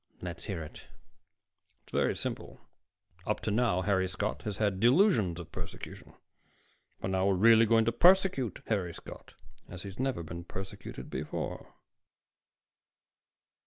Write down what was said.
"Let's hear it." "It's very simple. Up to now, Harry Scott has had delusions of persecution. But now we're really going to persecute Harry Scott, as he's never been persecuted before."